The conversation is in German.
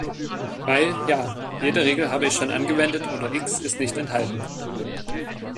Weil, ja, jede Regel habe ich schon angewendet oder X ist nicht enthalten.